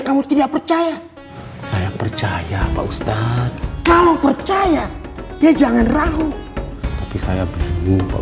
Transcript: kamu tidak percaya saya percaya pak ustadz kalau percaya ya jangan ragu tapi saya berlindung pak